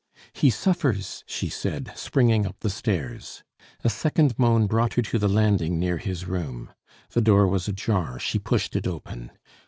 "He suffers!" she said, springing up the stairs. A second moan brought her to the landing near his room. The door was ajar, she pushed it open.